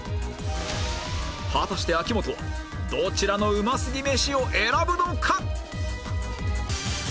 果たして秋元はどちらの美味すぎメシを選ぶのか？